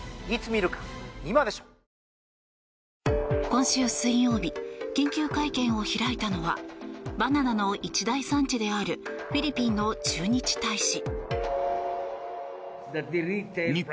今週水曜日緊急会見を開いたのはバナナの一大産地であるフィリピンの駐日大使。